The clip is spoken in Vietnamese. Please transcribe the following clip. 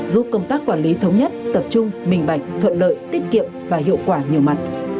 giúp công tác quản lý thống nhất tập trung minh bạch thuận lợi tiết kiệm và hiệu quả nhiều mặt